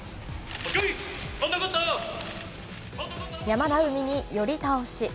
山田海に寄り倒し。